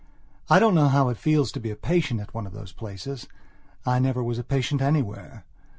I don't know how it feels to be a patient at one of those places. I never was a patient anywhere.